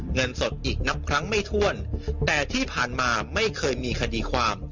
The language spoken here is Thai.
เงินสดอีกนับครั้งไม่ถ้วนแต่ที่ผ่านมาไม่เคยมีคดีความ